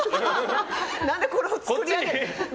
何でこれを作り上げて。